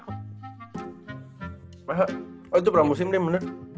oh itu pramusim dia bener